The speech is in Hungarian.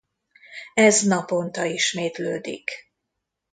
Ez naponta ismétlődik.